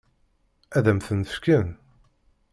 Ad m-tent-fken?